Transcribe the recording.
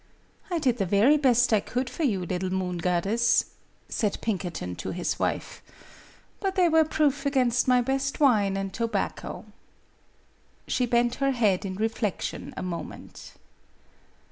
" I did the very best I could for you, little moon goddess," said Pinkerton to his wife; " but they were proof against my best wine and tobacco." She bent her head in reflection a moment.